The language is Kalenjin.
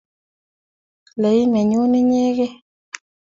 Ii nenyu inyegei